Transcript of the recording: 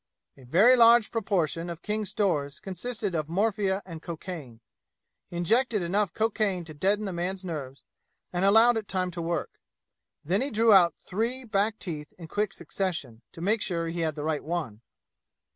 A very large proportion of King's stores consisted of morphia and cocaine. He injected enough cocaine to deaden the man's nerves, and allowed it time to work. Then he drew out three back teeth in quick succession, to make sure he had the right one.